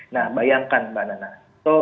nah bayangkan mbak nanda